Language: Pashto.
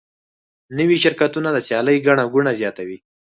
نوي شرکتونه د سیالۍ ګڼه ګوڼه زیاتوي.